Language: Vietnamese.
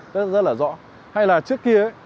rất là rõ hay là trước kia ấy